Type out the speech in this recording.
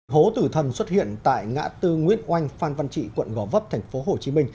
hố tử thần xuất hiện tại ngã tư nguyễn oanh phan văn trị quận gò vấp tp hcm